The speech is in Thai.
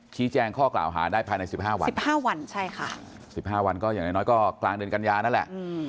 แจ้งข้อกล่าวหาได้ภายใน๑๕วัน๑๕วันใช่ค่ะ๑๕วันก็อย่างน้อยก็กลางเดือนกันยานั่นแหละ